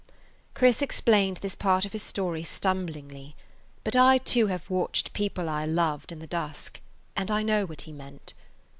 Chris explained this part of his story stumblingly; but I, too, have watched people I loved in the dusk, and I know what he meant.